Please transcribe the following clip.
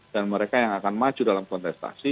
dan mereka yang akan maju dalam kontestasi